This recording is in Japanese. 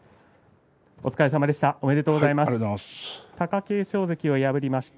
お疲れさまでした。